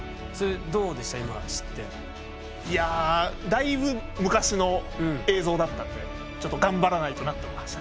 だいぶ昔の映像だったんでちょっと頑張らないとなと思いましたね。